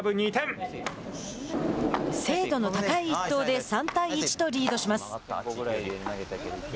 精度の高い一投で３対１とリードします。